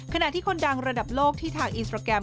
ขณะที่คนดังระดับโลกที่ทางอินสตราแกรม